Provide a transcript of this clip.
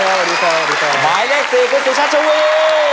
หมายเลข๔คุณสุชัชวี